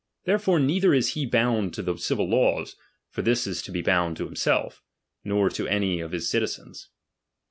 Therefore neither is he bound to the civil laws ; for this is to be bound to himself; nor to any of his citizens.